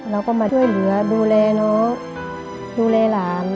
เราก็มาช่วยเหลือดูแลน้องดูแลหลาน